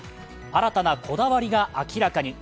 新たなこだわりが明らかに。